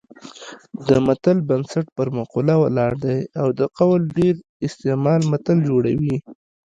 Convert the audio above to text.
د متل بنسټ پر مقوله ولاړ دی او د قول ډېر استعمال متل جوړوي